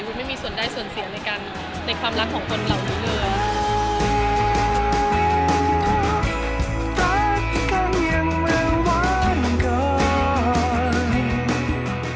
วุ้นไม่มีส่วนได้ส่วนเสียในความรักของคนเรานี้เลย